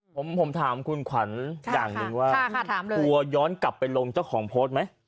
ผมถามคุณขวัญอย่างหนึ่งว่ากลัวย้อนกลับไปลงเจ้าของโพสต์ไหม